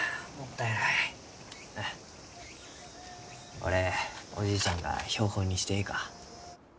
これおじいちゃんが標本にしてえいか？